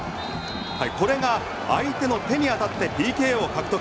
これが相手の手に当たってＰＫを獲得。